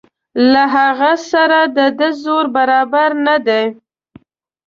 له هغه سره د ده زور برابر نه دی.